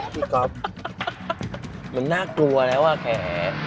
พี่ก๊อฟมันน่ากลัวแล้วอ่ะแค่